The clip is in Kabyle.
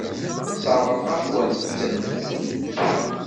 Sseṛɣeɣ-akent-ten.